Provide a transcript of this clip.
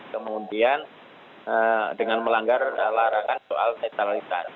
kemudian dengan melanggar larakan soal netralisasi